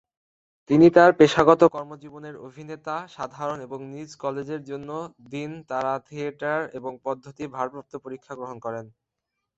তিনি তার পেশাগত কর্মজীবন এর অভিনেতা সাধারণত এবং নিজের কলেজের জন্য দিন তারা থিয়েটার এবং পদ্ধতি ভারপ্রাপ্ত পরীক্ষা গ্রহণ করেন।